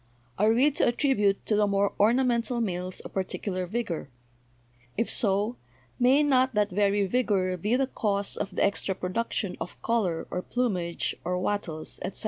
Are we to at tribute to the more ornamental males a particular vigor? If so, may not that very vigor be the cause of the extra production of color or plumage or wattles, etc.?